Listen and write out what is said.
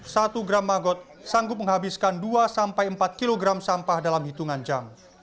satu gram magot sanggup menghabiskan dua sampai empat kg sampah dalam hitungan jam